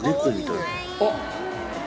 あっ！